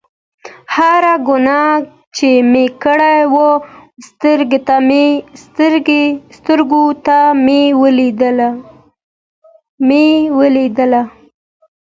هره ګناه چې مې کړې وه سترګو ته مې ودرېدله.